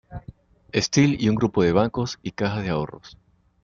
Steel y un grupo de bancos y cajas de ahorros.